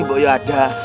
mbak yoy ada